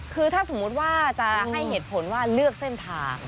คือถ้าสมมุติว่าจะให้เหตุผลว่าเลือกเส้นทาง